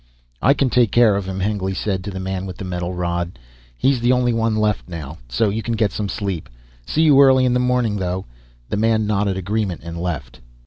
"I can take care of him," Hengly said to the man with the metal rod. "He's the only one left now, so you can get some sleep. See you early in the morning though." The man nodded agreement and left.